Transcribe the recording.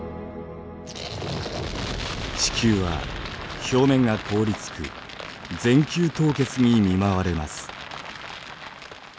地球は表面が凍りつく全球凍結に見舞われます。